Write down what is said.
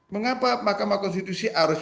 mengapa makamah konstitusi harus